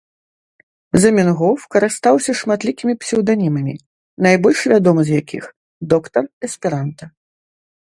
Заменгоф карыстаўся шматлікімі псеўданімамі, найбольш вядомы з якіх — Доктар Эсперанта